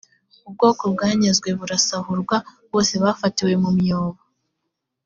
ubwoko bwanyazwe burasahurwa r bose bafatiwe mu myobo